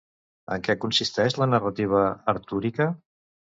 En què consisteix la narrativa artúrica?